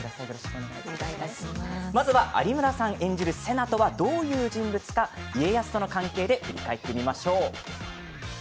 まずは有村さん演じる瀬名とはどういう人物か家康との関係で振り返ってみましょう。